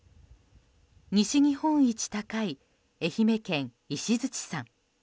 西日本一高い、愛媛県石鎚山。